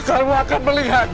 kamu akan melihat